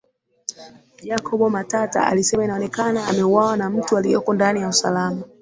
Jacob Matata alisema inaonekana ameuawa na mtu aliyeko ndani ya usalama